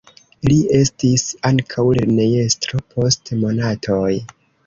Li estis ankaŭ lernejestro post monatoj.